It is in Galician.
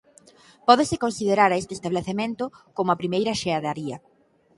Pódese considerar a este establecemento como a primeira xeadaría.